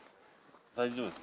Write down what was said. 大丈夫です。